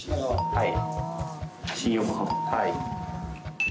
はい。